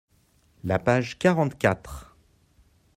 la page quarante quatre.